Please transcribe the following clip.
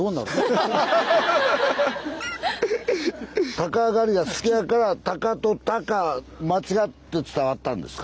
鷹狩りが好きやから「鷹」と「高」間違って伝わったんですか？